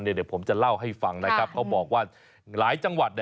เดี๋ยวผมจะเล่าให้ฟังนะครับเขาบอกว่าหลายจังหวัด